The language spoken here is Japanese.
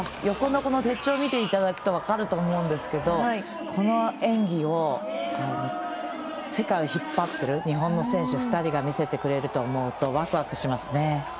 横の鉄柱を見ていただくと分かると思うんですけどこの演技を世界引っ張っている日本の選手２人が見せてくれると思うとワクワクしますね。